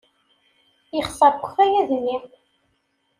Yexṣer deg ukayad-nni.